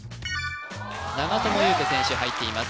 長友佑都選手入っています